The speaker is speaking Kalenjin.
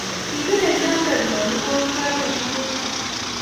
Kibirei inendet maningotiondenyii netai